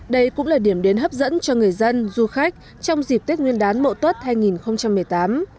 đây cũng là điểm đến hấp dẫn cho người dân du khách trong dịp tết nguyên đán mậu tuất hai nghìn một mươi tám